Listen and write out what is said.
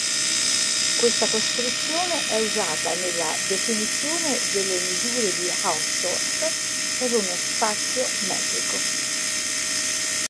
Questa costruzione è usata nella definizione delle misure di Hausdorff per uno spazio metrico.